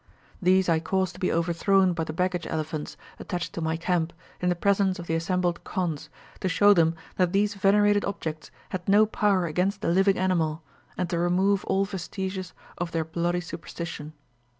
These I caused to be overthrown by the baggage elephants attached to my camp in the presence of the assembled Khonds, to show them that these venerated objects had no power against the living animal, and to remove all vestiges of their bloody superstition."